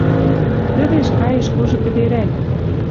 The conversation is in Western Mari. Тӹвеш каеш кужы кӹверӓт.